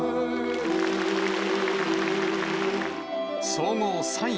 総合３位。